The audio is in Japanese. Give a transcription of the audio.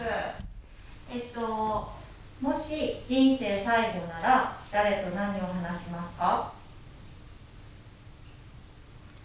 えっともし人生最後なら誰と何を話しますか？